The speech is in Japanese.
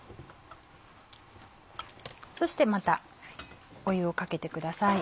そしてまた湯をかけてください。